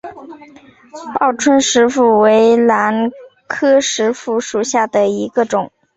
报春石斛为兰科石斛属下的一个种。